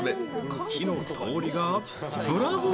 火の通りが「ブラボー！」